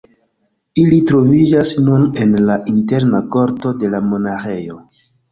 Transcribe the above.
Ili troviĝas nun en la interna korto de la monaĥejo.